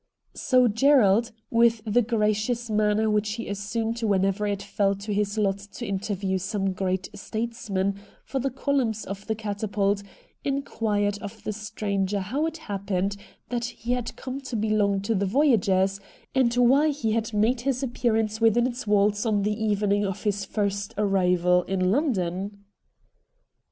So Gerald, with the gracious manner which he assumed whenever it fell to his lot to interview some great statesman for the columns of the ' Catapult,' inquired of the stranger how it happened that he had come to belong to the Voyagers, and why he had made his appearance within its walls on the evening of his first arrival in London.